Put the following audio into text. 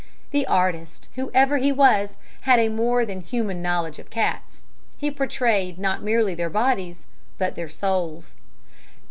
The artist, whoever he was, had a more than human knowledge of cats he portrayed not merely their bodies but their souls.